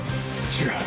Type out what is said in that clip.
違う。